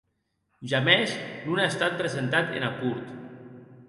Jamès non a estat presentat ena Cort.